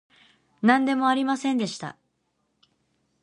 なんでもありませんでした